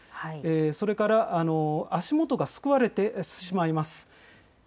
それから足元がすくわれてしまいます。